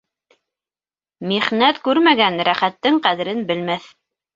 Михнәт күрмәгән рәхәттең ҡәҙерен белмәҫ.